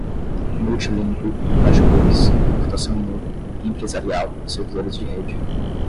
multilíngue, notebooks, computação em nuvem, empresarial, servidores de rede